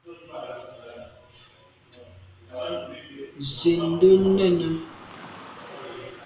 Zin nde nène.